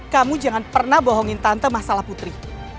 kamu jangan pernah bohongin tante masalah putri